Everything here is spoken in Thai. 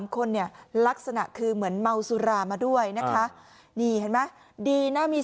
๓คนลักษณะคือเหมือนมัวสุรามาด้วยนะคะนี่ดีนะมี